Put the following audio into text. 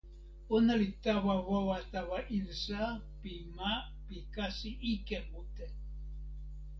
ona li tawa wawa tawa insa pi ma pi kasi ike mute.